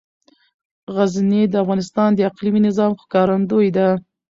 غزني د افغانستان د اقلیمي نظام ښکارندوی ده.